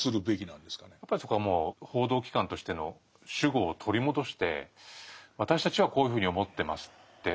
やっぱりそこはもう報道機関としての主語を取り戻して「私たちはこういうふうに思ってます」って。